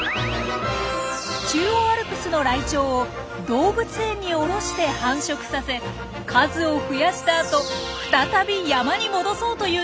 中央アルプスのライチョウを動物園におろして繁殖させ数を増やしたあと再び山に戻そうというんです。